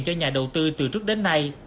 cho nhà đầu tư từ trước đến nay